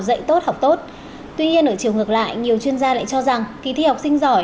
dạy tốt học tốt tuy nhiên ở chiều ngược lại nhiều chuyên gia lại cho rằng kỳ thi học sinh giỏi